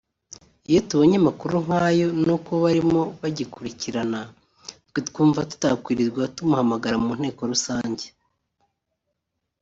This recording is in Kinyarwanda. iyo tubonye amakuru nk’ayo n‘uko barimo bagikurikirana twe twumva tutakwirirwa tumuhamagara mu Nteko rusange